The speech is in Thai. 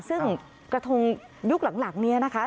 ซึ่งกระทงยุคหลังนี้นะคะ